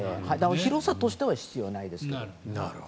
広さとしては必要ないですが。